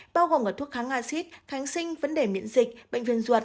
bao gồm có thuốc kháng axit khánh sinh vấn đề miễn dịch bệnh viên ruột